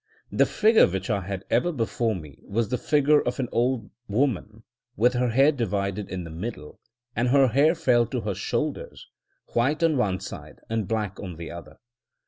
The figure which I had ever before me was the figure of an old woman with her hair divided in the middle, and her hair fell to her shoulders, white on one side and black on the other.